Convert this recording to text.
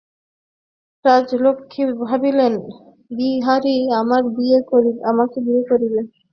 রাজলক্ষ্মী ভাবিলেন, বিহারী আবার বিয়ে করিবে!